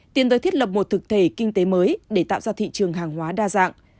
tiến tới thiết lập một thực thể kinh tế mới để tạo ra thị trường hàng hóa đa dạng